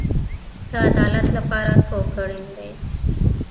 د عدالت لپاره څوک اړین دی؟